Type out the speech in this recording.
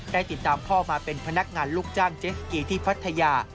ได้ติดตามพ่อมาเป็นพนักงานลูกจ้างเจสกีที่พัทยา